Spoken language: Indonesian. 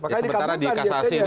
ya sebetulnya di kasasi ini